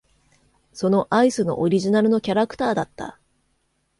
そのアイスのオリジナルのキャラクターだった。